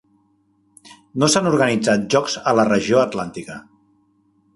No s'han organitzat jocs a la regió atlàntica.